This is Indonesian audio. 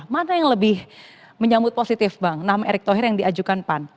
mana yang lebih menyambut positif bang nama erick thohir yang diajukan pan